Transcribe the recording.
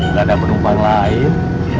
nggak ada penumpang lain